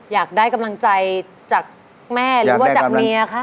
อยากได้กำลังใจจากแม่หรือว่าจากเมียคะ